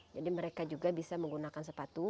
jadi mereka juga bisa menggunakan sepatu